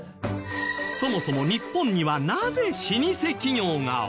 そもそも日本にはなぜ老舗企業が多い？